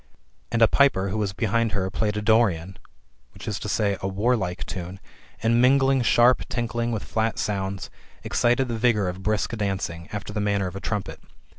And a piper who was behind her played a Dorian [t\e. sl warlike] tune, and, mingling sharp tinkling with flat sounds, excited the vigour of brisk dancing, after the manner of a trumpet.